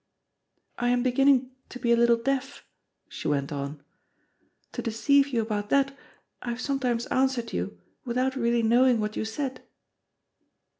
"I am beginning to be a little deaf," she went on. "To deceive you about that, I have sometimes answered you without really knowing what you said."